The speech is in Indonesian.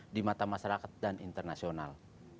di mata masyarakat dan internasional